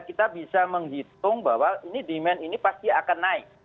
kita bisa menghitung bahwa ini demand ini pasti akan naik